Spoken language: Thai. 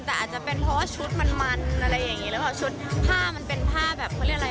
แต่อาจจะเป็นเพราะว่าชุดมันอะไรอย่างนี้